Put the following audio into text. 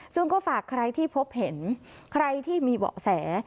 ซึ่งก็ฝากใครที่พบเห็นใครที่มีเบาะแส